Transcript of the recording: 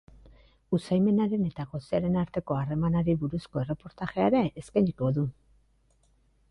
Usaimenaren eta gosearen arteko harremanari buruzko erreportajea ere eskainiko du.